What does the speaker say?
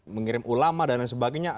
mengirim ulama dan sebagainya